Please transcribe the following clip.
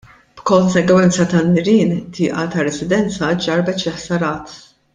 B'konsegwenza tan-nirien tieqa ta' residenza ġarrbet xi ħsarat.